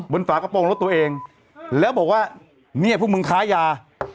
ฝากระโปรงรถตัวเองแล้วบอกว่าเนี่ยพวกมึงค้ายา